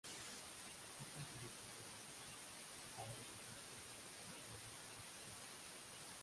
Otros grupos de los que hay registros desaparecieron hace mucho tiempo.